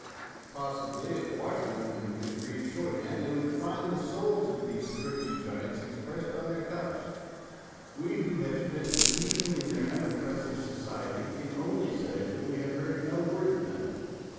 Possibly if washerwomen could read shorthand they would find the souls of these thrifty giants expressed on their cuffs ; we who have spent an evening in their unimpressive society can only say that we have heard no word of them.